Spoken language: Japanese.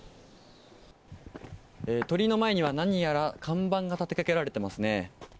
鳥居の前には何やら看板が立てかけられていますね。